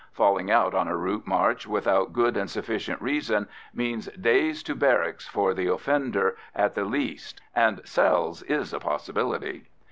"Falling out" on a route march without good and sufficient reason means days to barracks for the offender, at the least, and "cells" is a possibility.